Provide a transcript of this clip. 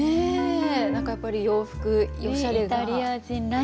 何かやっぱり洋服おしゃれな。